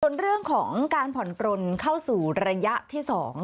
ส่วนเรื่องของการผ่อนปลนเข้าสู่ระยะที่๒